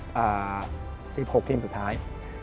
หรือสิบหกทีมสุดท้าย